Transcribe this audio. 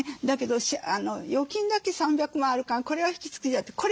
だけど預金だけ３００万あるからこれは引き継ぐよって。